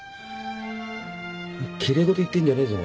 きれい事言ってんじゃねえぞ